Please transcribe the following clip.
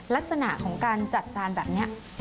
ลักษณะของการจัดจานแบบนี้